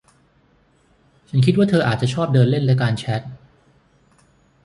ฉันคิดว่าเธออาจจะชอบเดินเล่นและการแชท